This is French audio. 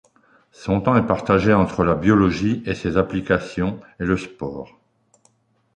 Son temps est partagé entre la biologie et ses applications, et le sport.